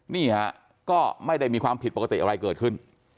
นี่ฮะก็ไม่ได้มีความผิดปกติอะไรเกิดขึ้น